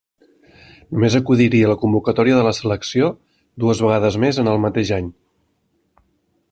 Només acudiria a la convocatòria de la selecció dues vegades més en el mateix any.